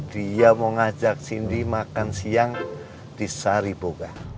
dia mau ngajak cindy makan siang di sariboga